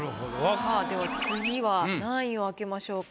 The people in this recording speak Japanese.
さあでは次は何位を開けましょうか？